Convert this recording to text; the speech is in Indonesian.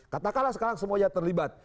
katakanlah sekarang semuanya terlibat